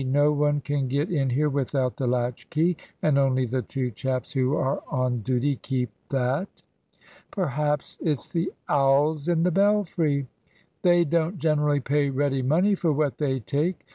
No one can get in here without the latch key; and only the two chaps who are on duty keep that." "Perhaps it's the owls in the belfry?" "They don't generally pay ready money for what they take."